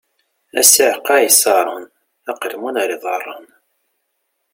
A ssiεqa ay iṣaṛen: aqelmun ar iḍaṛṛen!